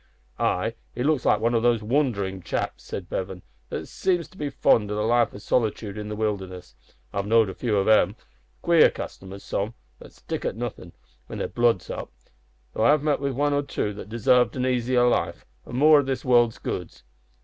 "Ay, he looks like one o' these wanderin' chaps," said Bevan, "that seem to be fond of a life o' solitude in the wilderness. I've knowed a few of 'em. Queer customers some, that stick at nothin' when their blood's up; though I have met wi' one or two that desarved an easier life, an' more o' this world's goods.